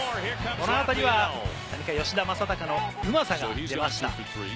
このあたりは吉田正尚のうまさが出ました。